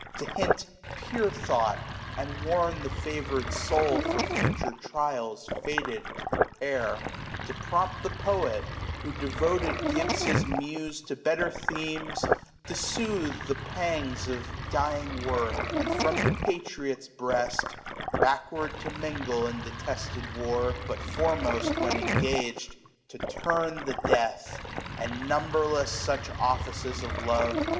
To hint pure thought, and warn the favoured soul For future trials fated to prepare ; 530 To prompt the poet, who devoted ^ves His muse to better themes } to soothe the pangs Of dying worth, and from tne patriot's breast, (Backward to mingle in detested war. But foremost when engaged) to turn the death ; 535 And numberless such offices of love.